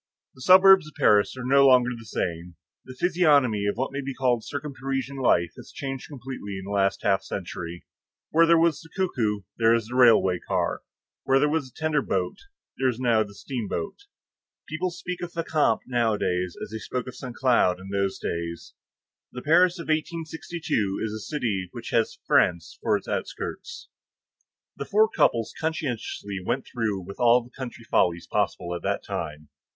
The suburbs of Paris are no longer the same; the physiognomy of what may be called circumparisian life has changed completely in the last half century; where there was the cuckoo, there is the railway car; where there was a tender boat, there is now the steamboat; people speak of Fécamp nowadays as they spoke of Saint Cloud in those days. The Paris of 1862 is a city which has France for its outskirts. The four couples conscientiously went through with all the country follies possible at that time.